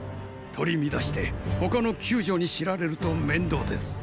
取り乱して他の宮女に知られると面倒です。